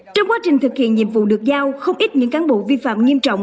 trong quá trình thực hiện nhiệm vụ được giao không ít những cán bộ vi phạm nghiêm trọng